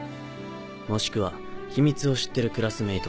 もしくは秘密を知ってるクラスメート。